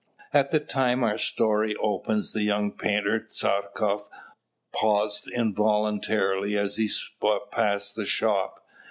At the time our story opens, the young painter, Tchartkoff, paused involuntarily as he passed the shop.